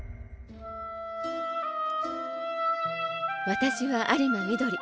私は有馬みどり。